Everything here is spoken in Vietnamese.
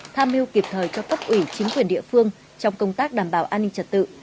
tham mưu kịp thời cho cấp ủy chính quyền địa phương trong công tác đảm bảo an ninh trật tự